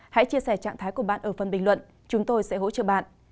hãy chia sẻ trạng thái của bạn ở phần bình luận chúng tôi sẽ hỗ trợ bạn